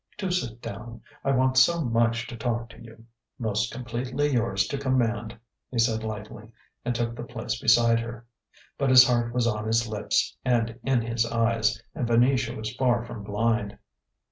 Do sit down. I want so much to talk to you." "Most completely yours to command," he said lightly, and took the place beside her. But his heart was on his lips and in his eyes, and Venetia was far from blind.